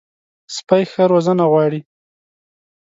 سپي ښه روزنه غواړي.